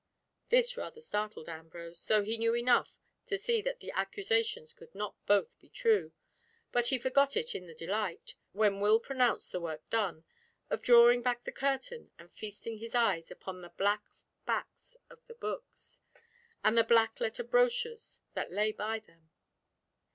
This rather startled Ambrose, though he knew enough to see that the accusations could not both be true, but he forgot it in the delight, when Will pronounced the work done, of drawing back the curtain and feasting his eyes upon the black backs of the books, and the black letter brochures that lay by them.